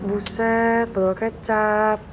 buset telur kecap